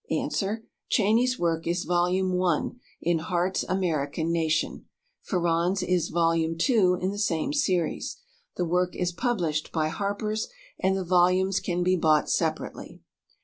ANS. Cheyney's work is Vol. I in Hart's "American Nation"; Farrand's is Vol. II in the same series. The work is published by Harpers, and the volumes can be bought separately.